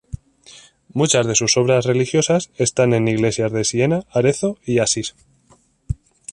Muchas de sus obras religiosas están en iglesias de Siena, Arezzo, y Asís.